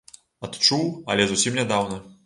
Адчуў, але зусім нядаўна.